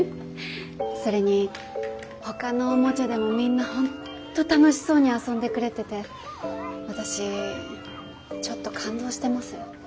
それにほかのおもちゃでもみんな本当楽しそうに遊んでくれてて私ちょっと感動してます。